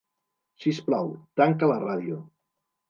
Sisplau, tanca la ràdio.